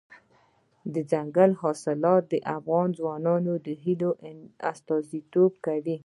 دځنګل حاصلات د افغان ځوانانو د هیلو استازیتوب کوي.